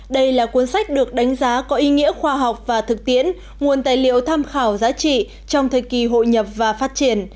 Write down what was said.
đây là cuốn sách được đánh giá có ý nghĩa khoa học và thực tiễn nguồn tài liệu tham khảo giá trị trong thời kỳ hội nhập và phát triển